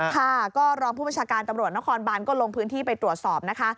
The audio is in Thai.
ค่ะก็รองผู้บัญชาการตำรวจนครบานก็ลงพื้นที่ไปตรวจสอบนะคะ